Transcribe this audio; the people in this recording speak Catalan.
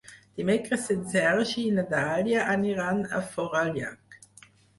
Dimecres en Sergi i na Dàlia aniran a Forallac.